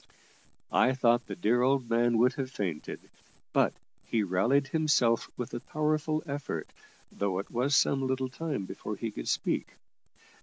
I thought the dear old man would have fainted, but he rallied himself with a powerful effort, though it was some little time before he could speak.